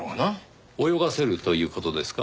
泳がせるという事ですか？